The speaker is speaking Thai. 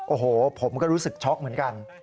โอ้โหผมก็รู้สึกช็อกเหมือนกัน